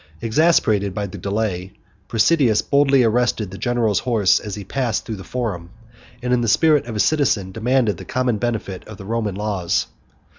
Exasperated by the delay, Presidius boldly arrested the general's horse as he passed through the forum; and, with the spirit of a citizen, demanded the common benefit of the Roman laws.